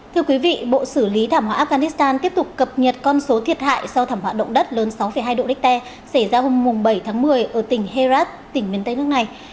thưa quý vị bộ xử lý thảm họa afghanistan tiếp tục cập nhật con số thiệt hại sau thảm họa động đất lớn sáu hai độ richter xảy ra hôm bảy tháng một mươi ở tỉnh herat tỉnh miền tây nước này